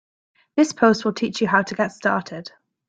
This post will teach you how to get started.